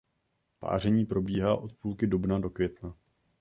Páření probíhá od půlky dubna do května.